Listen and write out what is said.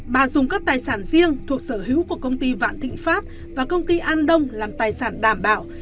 bà dùng các tài sản riêng thuộc sở hữu của công ty vạn thịnh pháp và công ty an đông làm tài sản đảm bảo